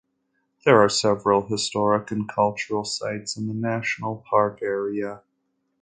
There are several historic and cultural sites in the national park area.